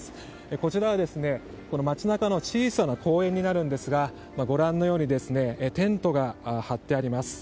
こちらは町中の小さな公園になるんですがご覧のようにテントが張ってあります。